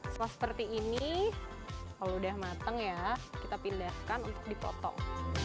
smas seperti ini kalau udah matang ya kita pindahkan untuk dipotong